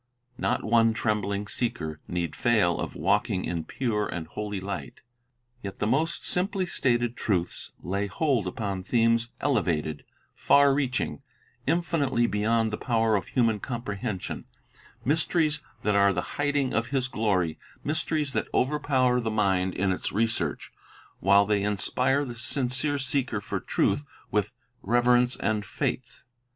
Not one trembling seeker need fail of walking in pure and holy light. Yet the most simplicity simply stated truths lay hold upon themes elevated, Adaptation far reaching, infinitely beyond the power of human com prehension, — mysteries that are the hiding of His glory, — mysteries that overpower the mind in its research, while they inspire the sincere seeker for truth with reverence and faith.